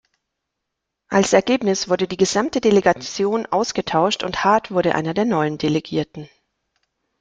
Als Ergebnis wurde die gesamte Delegation ausgetauscht und Hart wurde einer der neuen Delegierten.